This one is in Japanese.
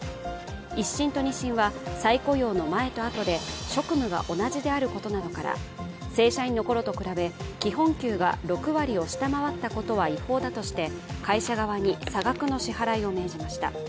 １審と２審は再雇用の前とあとで職務が同じであることなどから正社員のころと比べ基本給が６割を下回ったことは違法だとして会社側に差額の支払いを命じました。